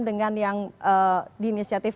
dengan yang diinisiatif